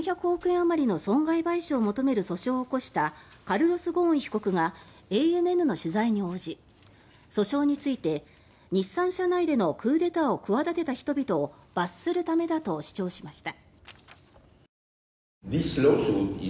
あまりの損害賠償を求める訴訟を起こしたカルロス・ゴーン被告がＡＮＮの取材に応じ訴訟について日産社内でのクーデターを企てた人々を罰するためだと主張しました。